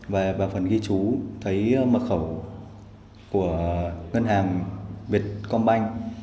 và vào phần ghi chú thấy mật khẩu của ngân hàng việt công banh